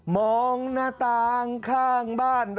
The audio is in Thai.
มองหน้าต่างข้างบ้าน